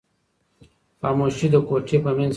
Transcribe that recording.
خاموشي د کوټې په منځ کې ده.